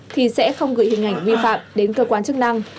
thì sẽ không gửi hình ảnh vi phạm đến cơ quan chức năng